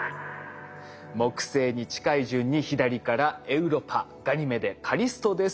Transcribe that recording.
木星に近い順に左からエウロパガニメデカリストです。